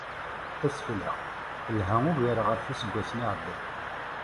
Tasekla, telḥa ugar ɣef yiseggasen iεeddan.